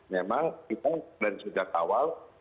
memang kita dari sejak awal